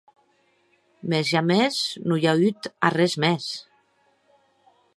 Mès jamès non i a auut arrés mès.